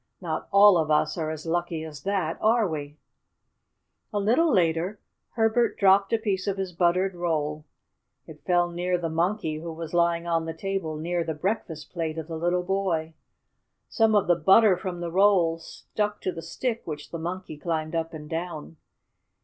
Not all of us are as lucky as that, are we? A little later Herbert dropped a piece of his buttered roll. It fell near the Monkey, who was lying on the table near the breakfast plate of the little boy. Some of the butter from the roll stuck to the stick which the Monkey climbed up and down.